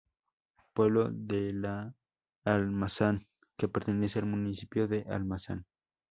Pueblo de la Almazán que pertenece al municipio de Almazán.